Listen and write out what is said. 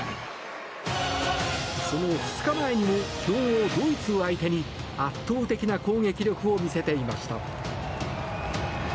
その２日前にも強豪ドイツ相手に圧倒的な攻撃力を見せていました。